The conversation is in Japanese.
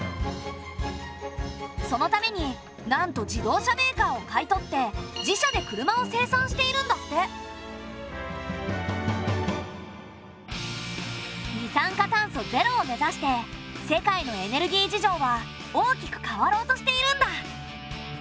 そのためになんと自動車メーカーを買い取って二酸化炭素ゼロを目指して世界のエネルギー事情は大きく変わろうとしているんだ。